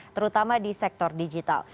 terutama di sektor digital